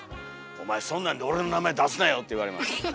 「お前そんなんで俺の名前出すなよ」って言われます。